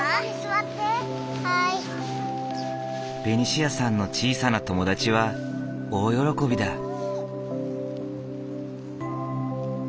ベニシアさんの小さな友達は大喜びだ。